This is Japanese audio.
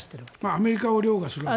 アメリカを凌駕する。